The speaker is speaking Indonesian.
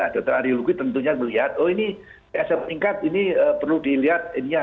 dokter alihurologi tentunya melihat oh ini psa meningkat ini perlu dilihat ini ya